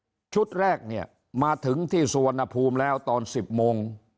ยังไงชุดแรกเนี่ยมาถึงที่สวนอภูมิแล้วตอน๑๐โมง